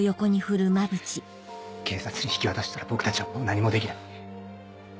警察に引き渡したら僕たちはもう何もできない。